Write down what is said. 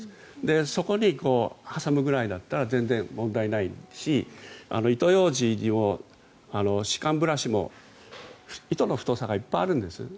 そこに挟むぐらいだったら全然問題ないし糸ようじにも歯間ブラシも糸の太さがいっぱいあるんですよね。